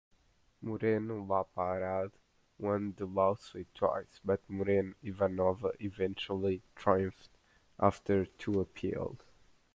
Moreno Laparade won the lawsuit twice, but Moreno Ivanova eventually triumphed after two appeals.